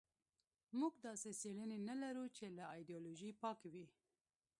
موږ داسې څېړنې نه لرو چې له ایدیالوژۍ پاکې وي.